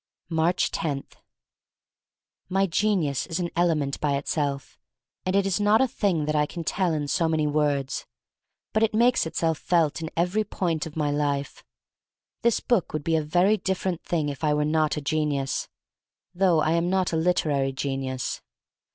Aatcb 10* MY GENIUS Is an element by it self, and it is not a thing that I can tell in so many words. But it makes itself felt in every point of my life. This book would be a very differ ent thing if I were not a genius — though I am not a literary genius.